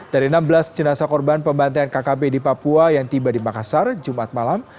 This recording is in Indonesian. dari enam belas jenazah korban pembantaian kkb di papua yang tiba di makassar jumat malam